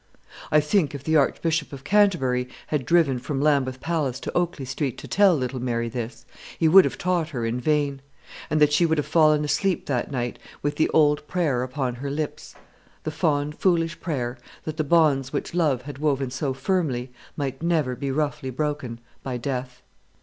I think if the Archbishop of Canterbury had driven from Lambeth Palace to Oakley Street to tell little Mary this, he would have taught her in vain; and that she would have fallen asleep that night with the old prayer upon her lips, the fond foolish prayer that the bonds which love had woven so firmly might never be roughly broken by death.